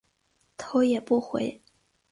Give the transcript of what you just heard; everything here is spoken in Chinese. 头也不回